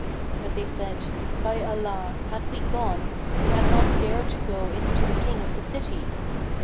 But they said, "By Allah, had we gone, we had not dared to go in to the King of the city!"